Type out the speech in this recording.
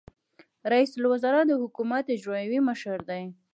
رئیس الوزرا د حکومت اجرائیوي مشر دی